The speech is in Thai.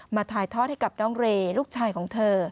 ถ่ายทอดให้กับน้องเรย์ลูกชายของเธอ